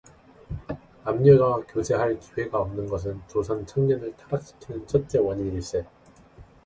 남녀가 교제할 기회가 없는 것은 조선 청년을 타락시키는 첫째 원인일세.